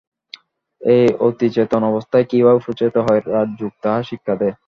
এই অতিচেতন অবস্থায় কিভাবে পৌঁছাইতে হয়, রাজযোগ তাহা শিক্ষা দেয়।